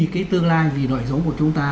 cái tương lai vì nội dung của chúng ta